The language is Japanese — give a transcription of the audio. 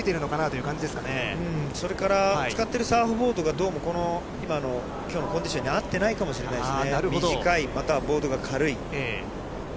うーん、それから使ってるサーフボードがどうも、この今のきょうのコンディションに合ってないのかもしれないです